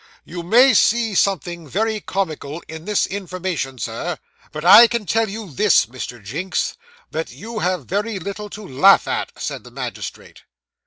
'You may see something very comical in this information, Sir but I can tell you this, Mr. Jinks, that you have very little to laugh at,' said the magistrate.